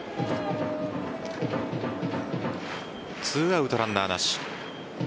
２アウトランナーなし。